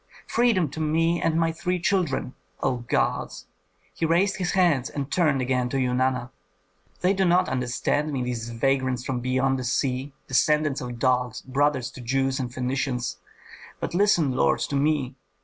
Freedom to me and my three children! O gods!" He raised his hands and turned again to Eunana, "They do not understand me, these vagrants from beyond the sea, descendants of dogs, brothers to Jews and Phœnicians! But listen, lord, to me!